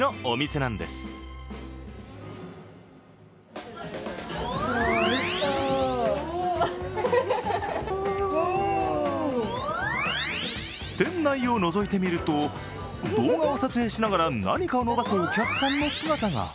店内を除いてみると、動画を撮影しながら何かを伸ばすお客さんの姿が。